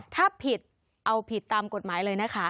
ถ้าผิดเอาผิดตามกฎหมายเลยนะคะ